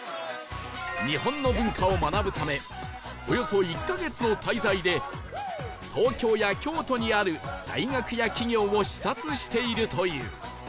日本の文化を学ぶためおよそ１カ月の滞在で東京や京都にある大学や企業を視察しているという